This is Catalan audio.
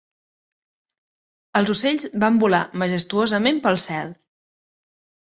Els ocells van volar majestuosament pel cel.